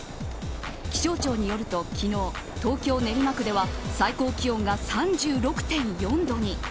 気象庁によると昨日、東京・練馬区では最高気温が３６．４度に。